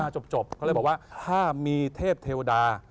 ดังหลายครับมึงผมเลยบอกว่าถ้ามีเทพเทวดา